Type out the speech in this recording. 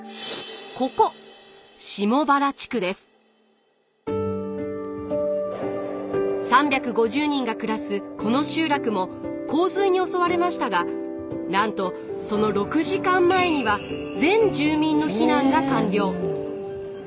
ここ３５０人が暮らすこの集落も洪水に襲われましたがなんとその６時間前には全住民の避難が完了。